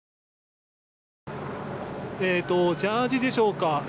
今ジャージーでしょうか。